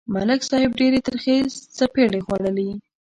ملک صاحب ډېرې ترخې څپېړې خوړلې.